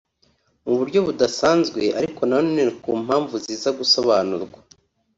Mu buryo budasanzwe ariko nanone ku mpamvu ziza gusobanurwa